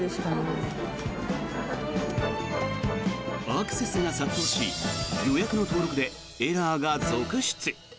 アクセスが殺到し予約の登録でエラーが続出。